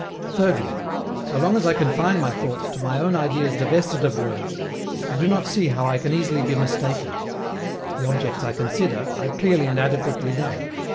THIRDLY, so long as I confine my thoughts to my own ideas divested of words, I do not see how I can easily be mistaken. The objects I consider, I clearly and adequately know.